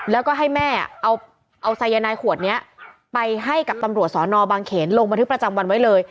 แล้วก็ให้แม่เอาสายนายขวดนี้ไปให้กับตำรวจสอนอบางเขนลงบันทึกประจำวันไว้เลย